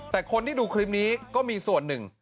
แต่คนที่ดูคลิปนี้ก็มีส่วนหนึ่ง